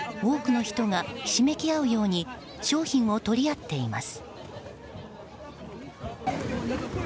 多くの人がひしめき合うように商品を取り合っています。